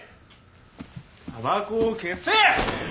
たばこを消せ！